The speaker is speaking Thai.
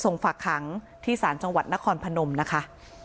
ฝากขังที่ศาลจังหวัดนครพนมนะคะ